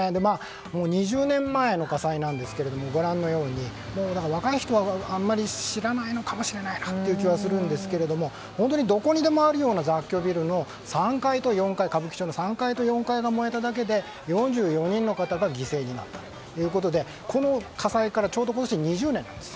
もう２０年前の火災なんですがご覧のように、若い人はあんまり知らないのかもしれない気はするんですけど本当にどこにでもあるような歌舞伎町の雑居ビルの３階と４階が燃えただけで４４人の方が犠牲になったということでこの火災からちょうど今年で２０年です。